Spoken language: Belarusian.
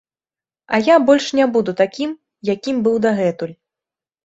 А я больш не буду такiм, якiм быў дагэтуль...